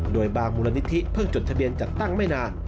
โดยบางมูลนิธิเพิ่งจดทะเบียนจัดตั้งไม่นาน